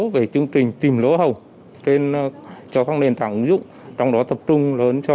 về chương trình tìm lỗ hồng cho các nền tảng ứng dụng trong đó tập trung lớn cho